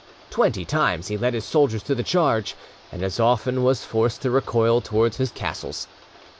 Twenty times he led his soldiers to the charge, and as often was forced to recoil towards his castles.